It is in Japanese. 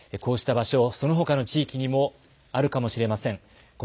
こうした場所、そのほかの地域にもあるかもしれません。